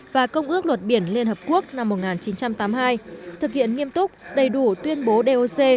và công ước luật biển liên hợp quốc năm một nghìn chín trăm tám mươi hai thực hiện nghiêm túc đầy đủ tuyên bố doc